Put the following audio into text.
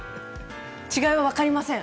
違いは分かりません。